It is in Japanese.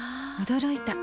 驚いた。